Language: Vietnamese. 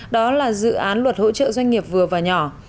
đó là dự án luật hỗ trợ doanh nghiệp vừa và nhỏ